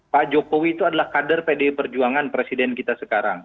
pak jokowi itu adalah kader pdi perjuangan presiden kita sekarang